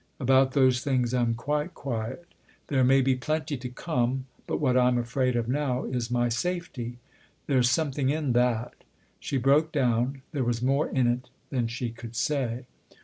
About those things I'm quite quiet. There may be plenty to come ; but what I'm afraid of now is my safety. There's some thing in that !" She broke down; there was more in it than she could say.